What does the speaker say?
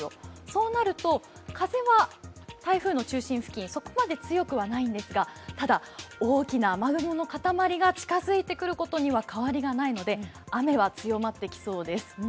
そうなると風は台風の中心付近、そこまで強くはないんですがただ、大きな雨雲のかたまりが近づいてくることには変わりがないので雨は強まってきそうです。